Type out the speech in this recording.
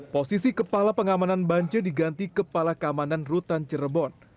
posisi kepala pengamanan bancoe diganti kepala kamanan rutan cirebon